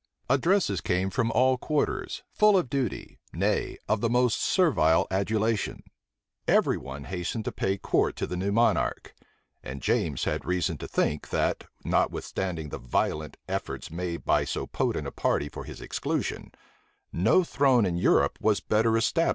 Addresses came from all quarters, full of duty, nay, of the most servile adulation. Every one hastened to pay court to the new monarch:[*] and James had reason to think, that, notwithstanding the violent efforts made by so potent a party for his exclusion, no throne in Europe was better established than that of England.